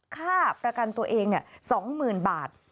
ค่าประกันตัวเอง๒๐๐๐บาท